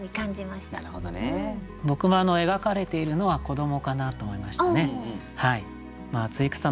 僕も描かれているのは子どもかなと思いましたね。